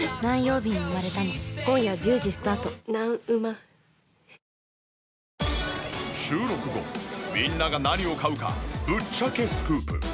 白髪かくしもホーユー収録後みんなが何を買うかぶっちゃけスクープ。